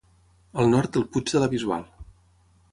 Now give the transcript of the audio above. Al nord té el puig de la Bisbal.